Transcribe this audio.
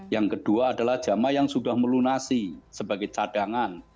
yang kedua adalah jamaah yang sudah melunasi sebagai cadangan